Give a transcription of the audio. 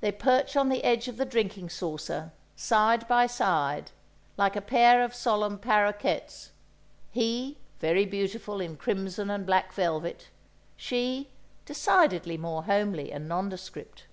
They perch on the edge of the drinking saucer, side by side, like a pair of solemn paroquets; he, very beautiful in crimson and black velvet; she, decidedly more homely and nondescript.